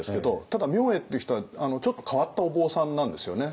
ただ明恵っていう人はちょっと変わったお坊さんなんですよね。